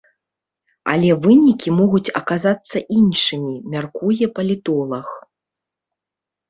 Але вынікі могуць аказацца іншымі, мяркуе палітолаг.